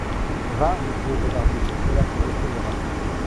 Va, mon pauvre barbier, cela se retrouvera.